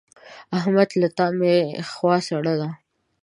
احمد له تا مې خوا سړه ده.